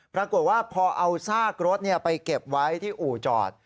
ปรากฏว่าพอเอาซากรถไปเก็บไว้ที่อู่จอด